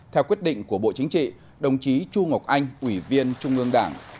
theo quyết định của bộ chính trị đồng chí chu ngọc anh ủy viên trung ương đảng